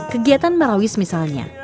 kegiatan marawis misalnya